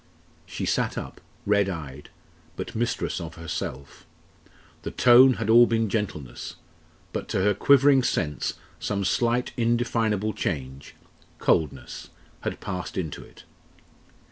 She sat up, red eyed, but mistress of herself. The tone had been all gentleness, but to her quivering sense some slight indefinable change coldness had passed into it.